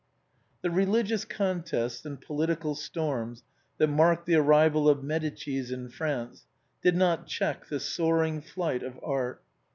The religious contests and political storms that marked the arrival of the Medicis in France did not check the soar ing flight of art.